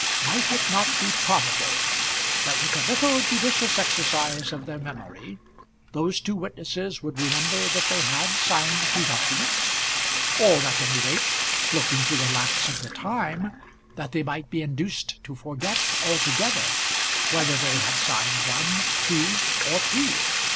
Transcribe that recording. Might it not be probable that, with a little judicious exercise of their memory, those two witnesses would remember that they had signed two documents; or at any rate, looking to the lapse of the time, that they might be induced to forget altogether whether they had signed one, two, or three?